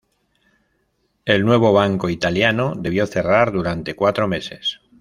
El Nuevo Banco Italiano debió cerrar durante cuatro meses.